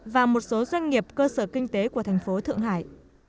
và một số doanh nghiệp cơ sở kinh tế của thành phố thượng hải